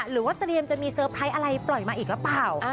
หรือว่าเตรียมจะมีเซอร์ไพรส์อะไรปล่อยมาอีกหรือเปล่า